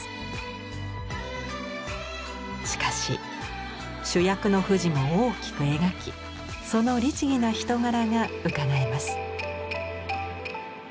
しかし主役の富士も大きく描きその律儀な人柄がうかがえます。